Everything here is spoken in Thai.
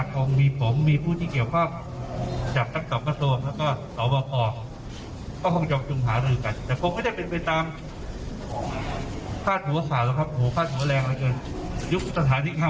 ก็เกิดล้านคนไปแล้วนะ